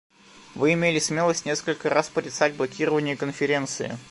Вы имели смелость несколько раз порицать блокирование Конференции.